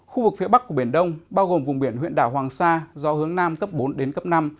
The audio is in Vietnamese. khu vực phía bắc của biển đông bao gồm vùng biển huyện đảo hoàng sa gió hướng nam cấp bốn đến cấp năm